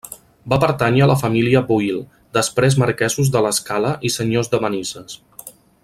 Va pertànyer a la família Boïl, després marquesos de la Scala i senyors de Manises.